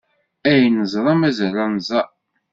Ay neẓra, mazal ad nẓer!